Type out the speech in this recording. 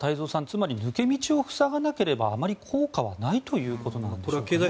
つまり抜け道を塞がなければあまり効果はないということなんでしょうかね。